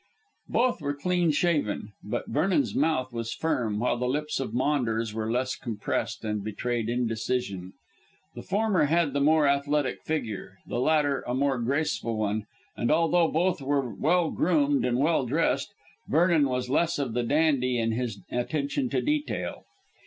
Both were clean shaven, but Vernon's mouth was firm, while the lips of Maunders were less compressed and betrayed indecision. The former had the more athletic figure, the latter a more graceful one, and although both were well groomed and well dressed, Vernon was less of the dandy in his attention to detail.